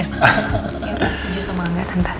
ya setuju sama ngan tante